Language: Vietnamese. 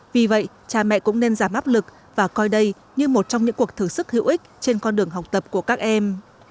vì vậy cha mẹ cũng nên giảm áp lực và coi đây như một trong những cuộc thử sức hữu ích trên con đường học tập của các em